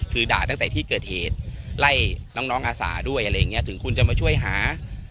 คือด่าตั้งแต่ที่เกิดเหตุไล่น้องอาสาด้วยอะไรอย่างเงี้ถึงคุณจะมาช่วยหา